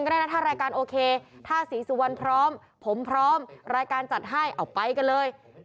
ก็ได้นะถ้ารายการโอเคถ้าศรีสุวรรณพร้อมผมพร้อมรายการจัดให้เอาไปกันเลย